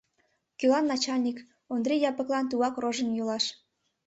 Кӧлан начальник, Ондри Япыклан тугаяк рожын йолаш.